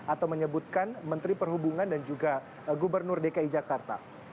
atau menyebutkan menteri perhubungan dan juga gubernur dki jakarta